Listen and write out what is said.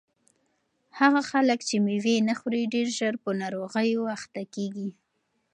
هغه خلک چې مېوې نه خوري ډېر ژر په ناروغیو اخته کیږي.